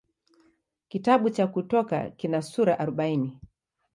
Kitabu cha Kutoka kina sura arobaini.